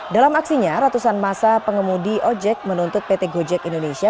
dalam aksinya ratusan masa pengemudi ojek menuntut pt gojek indonesia